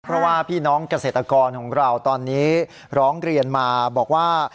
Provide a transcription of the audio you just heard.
เพราะว่าพี่น้องเกษตรกรของเราตอนนี้ร้องเรียนมาบอกว่า